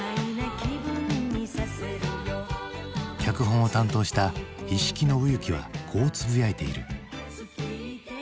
脚本を担当した一色伸幸はこうつぶやいている。